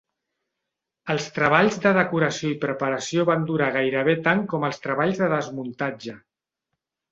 Els treballs de decoració i preparació van durar gairebé tant com els treballs de desmuntatge.